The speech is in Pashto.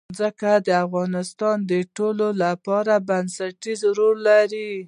ځمکه د افغانستان د ټولنې لپاره بنسټيز رول لري.